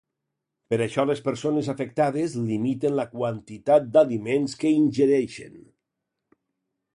Per això les persones afectades limiten la quantitat d'aliments que ingereixen.